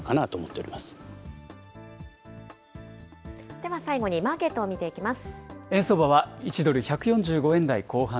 では最後にマーケットを見ていきます。